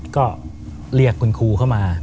ก็เรียกคุณครูเข้ามา